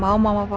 aku sama nia